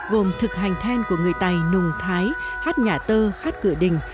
gồm thực hành then của người tày nùng thái hát nhà tơ hát cửa đình